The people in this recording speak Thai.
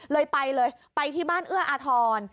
เลยไปเลยไปที่บ้านเอื้ออาทร